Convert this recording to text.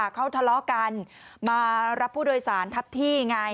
เขาทะเลาะกันมารับผู้โดยสารทับที่ไง